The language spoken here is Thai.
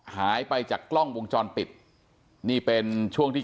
หายไปจากกล้องวงจรปิดนี่เป็นช่วงที่